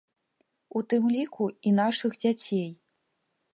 У тым ліку, і нашых дзяцей.